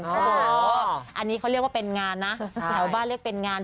โอ้โหอันนี้เขาเรียกว่าเป็นงานนะแถวบ้านเรียกเป็นงาน